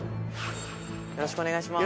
よろしくお願いします。